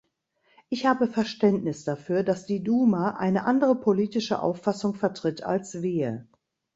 Ich habe Verständnis dafür, dass die Duma eine andere politische Auffassung vertritt als wir.